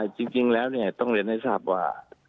จริงแล้วต้องเรียนให้ทราบว่า